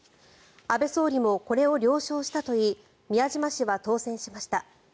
安倍総理もこれを了承したといい宮島氏は当選しました。